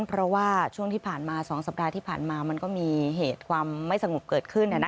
เพราะว่าช่วงที่ผ่านมา๒สัปดาห์ที่ผ่านมามันก็มีเหตุความไม่สงบเกิดขึ้น